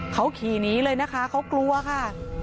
เขาขี่หนีเลยนะคะเขากลัวค่ะ